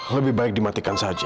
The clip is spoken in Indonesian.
lebih baik dimatikan saja